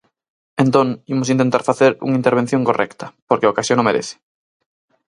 Entón, imos intentar facer unha intervención correcta, porque a ocasión o merece.